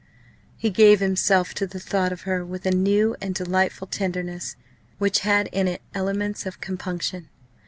He gave himself to the thought of her with a new and delightful tenderness which had in it elements of compunction.